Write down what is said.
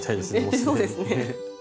そうですね。